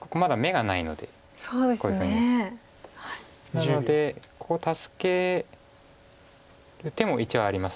なのでここを助ける手も一応あります。